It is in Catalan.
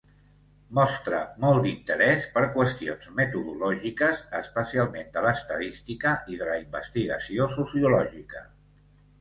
Mostrà molt d'interés per qüestions metodològiques, especialment de l'estadística i de la investigació sociològica.